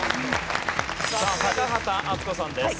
さあ高畑淳子さんです。